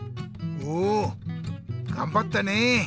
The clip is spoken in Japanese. おがんばったねえ。